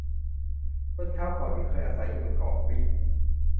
ส่วนชาวเกาะที่เคยอาศัยอยู่บนเกาะบิ๊ก